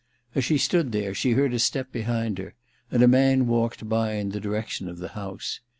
As she stood there she heard a step behind her, and a man walked by in the direction of the house.